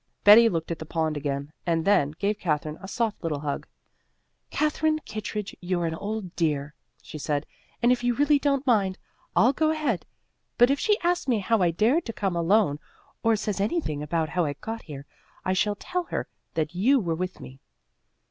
Betty looked at the pond again and then gave Katherine a soft little hug. "Katherine Kittredge, you're an old dear," she said, "and if you really don't mind, I'll go ahead; but if she asks me how I dared to come alone or says anything about how I got here, I shall tell her that you were with me."